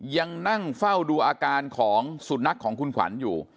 ยังนั่งเฝ้าดูอาการของสุนัขของคุณขวัญอยู่